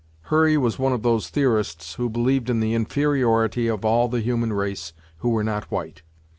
Hurry was one of those theorists who believed in the inferiority of all the human race who were not white.